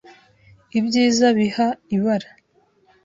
Ibyiza biha ibara